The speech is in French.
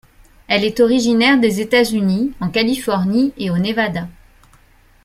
Elle est originaire des États-Unis, en Californie et au Nevada.